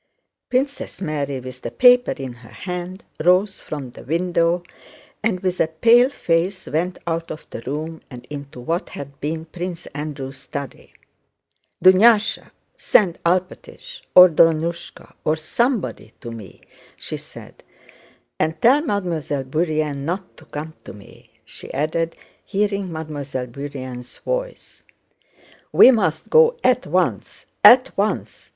Princess Mary, with the paper in her hand, rose from the window and with a pale face went out of the room and into what had been Prince Andrew's study. "Dunyásha, send Alpátych, or Drónushka, or somebody to me!" she said, "and tell Mademoiselle Bourienne not to come to me," she added, hearing Mademoiselle Bourienne's voice. "We must go at once, at once!"